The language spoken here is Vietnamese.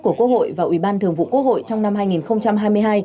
của quốc hội và ủy ban thường vụ quốc hội trong năm hai nghìn hai mươi hai